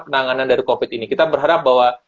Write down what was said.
penanganan dari covid ini kita berharap bahwa